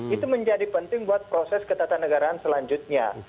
itu menjadi penting buat proses ketatanegaraan selanjutnya